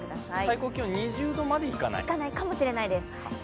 最高気温２０度までいかないかもしれないです。